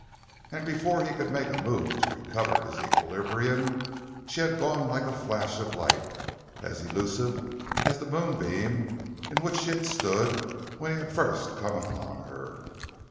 And before he could make a move to recover his equilibrium she had gone like a flash of light, as elusive as the moonbeam in which she had stood when he had first come upon her.